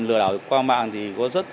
lừa đảo qua mạng thì có rất